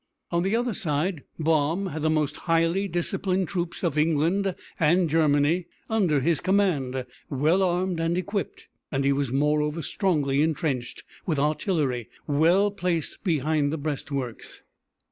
On the other side Baum had the most highly disciplined troops of England and Germany under his command, well armed and equipped, and he was moreover strongly intrenched with artillery well placed behind the breastworks.